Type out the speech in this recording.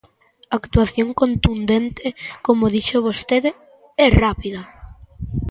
¡Actuación contundente ―como dixo vostede― e rápida!